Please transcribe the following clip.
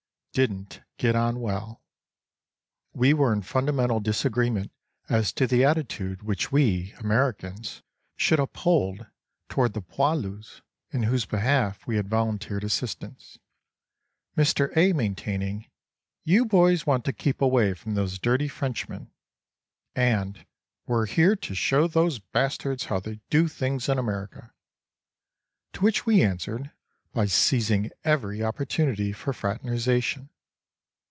didn't get on well. We were in fundamental disagreement as to the attitude which we, Americans, should uphold toward the poilus in whose behalf we had volunteered assistance, Mr. A. maintaining "you boys want to keep away from those dirty Frenchmen" and "we're here to show those bastards how they do things in America," to which we answered by seizing every opportunity for fraternization.